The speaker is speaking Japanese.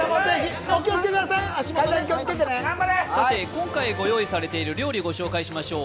今回ご用意されている料理をご紹介しましょう。